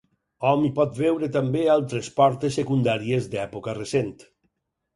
Hom hi pot veure també altres portes secundàries d'època recent.